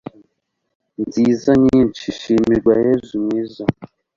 nziza nyinshi, shimirwa yezu mwiza